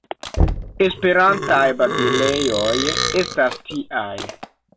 Esperantaj babilejoj estas tiaj.